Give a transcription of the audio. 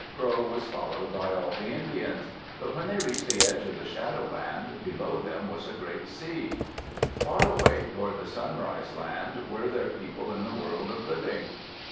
Crow was followed by all the Indians. But when they reached the edge of the shadow land, below them was a great sea. Far away, toward the Sunrise Land were their people in the world of living.